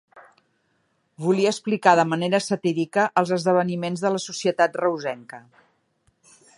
Volia explicar de manera satírica els esdeveniments de la societat reusenca.